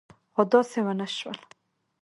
خو داسې ونه شول.